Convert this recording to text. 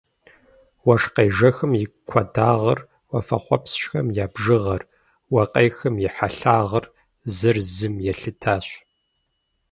Уэшх къежэхым и куэдагъыр, уафэхъуэпскӏхэм я бжыгъэр, уэ къехым и хьэлъагъыр зыр зым елъытащ.